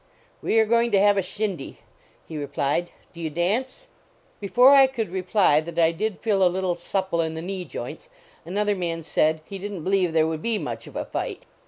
" We are going to have a shindy," he re plied, " do you dance? " Before I could reply that I did feel a little supple in the knee joints, another man said " he didn t believe there would be much of a fight."